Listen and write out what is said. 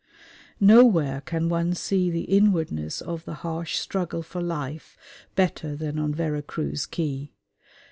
Nowhere can one see the inwardness of the harsh struggle for life better than on Vera Cruz quay.